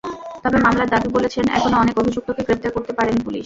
তবে মামলার বাদী বলেছেন, এখনো অনেক অভিযুক্তকে গ্রেপ্তার করতে পারেনি পুলিশ।